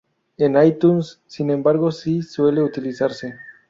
En iTunes, sin embargo, sí suele utilizarse.